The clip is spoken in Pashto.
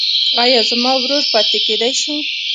ایا زما ورور پاتې کیدی شي؟